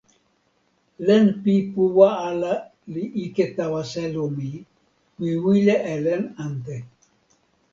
len pi puwa ala li ike tawa selo mi. mi wile e len ante.